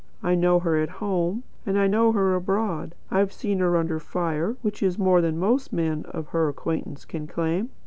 I know her at home, and I know her abroad. I've seen her under fire, which is more than most men of her acquaintance can claim.